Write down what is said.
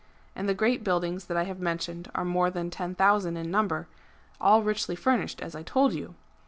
And the Cfceat buildino s that I have mentioned are more than 10,000 in number, all richly furnished, as I told you.